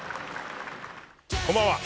こんばんは。